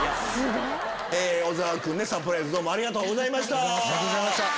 小沢君サプライズどうもありがとうございました。